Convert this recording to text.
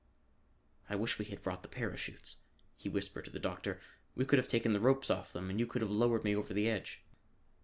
"I wish we had brought the parachutes," he whispered to the doctor. "We could have taken the ropes off them and you could have lowered me over the edge."